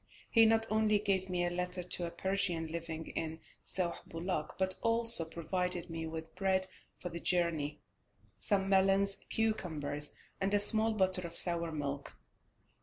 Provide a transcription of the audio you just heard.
He not only gave me a letter to a Persian living in Sauh Bulak, but also provided me with bread for the journey, some melons, cucumbers, and a small bottle of sour milk.